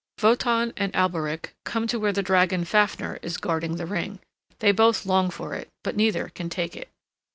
Wotan and Alberich come to where the dragon Fafner is guarding the ring. They both long for it, but neither can take it.